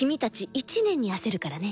１年に焦るからね。